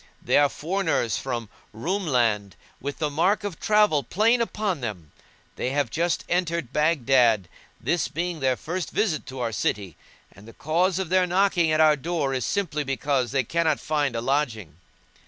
They are foreigners from Roum land with the mark of travel plain upon them; they have just entered Baghdad, this being their first visit to our city; and the cause of their knocking at our door is simply because they cannot find a lodging.